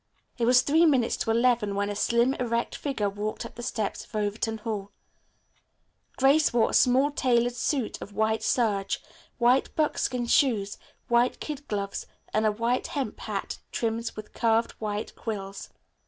It was three minutes to eleven when a slim, erect figure walked up the steps of Overton Hall. Grace wore a smartly tailored suit of white serge, white buckskin shoes, white kid gloves and a white hemp hat trimmed with curved white quills.